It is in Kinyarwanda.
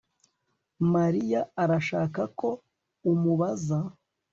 Mariya arashaka ko umubaza